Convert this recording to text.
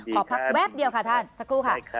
ขอพักแวบเดียวค่ะท่านสักครู่ค่ะ